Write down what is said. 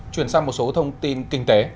đây là một số thông tin kinh tế